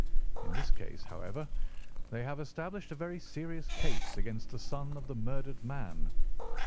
In this case, however, they have established a very serious case against the son of the murdered man."